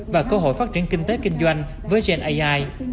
và cơ hội phát triển kinh tế kinh doanh với gen ai